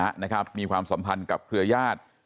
ในครอบครัวที่มีฐานะมีความสัมพันธ์กับเครือยาศ